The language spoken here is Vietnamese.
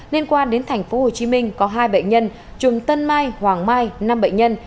liên quan đến thành phố hồ chí minh có hai bệnh nhân chùm tân mai hoàng mai năm bệnh nhân